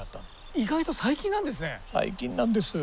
意外と最近なんですね。